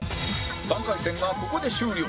３回戦がここで終了。